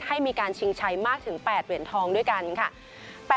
ให้มีการชิงชัยมากถึง๘เหรียญทองด้วยกันค่ะ